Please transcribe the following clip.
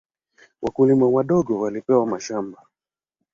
Wakulima wadogo walipewa mashamba.